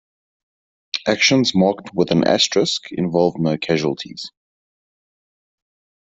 Actions marked with an asterisk involved no casualties.